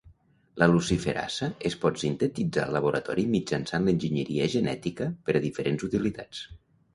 La luciferasa es pot sintetitzar al laboratori mitjançant l'enginyeria genètica per a diferents utilitats.